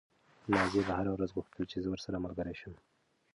نازيې به هره ورځ غوښتل چې زه ورسره ملګرې شم.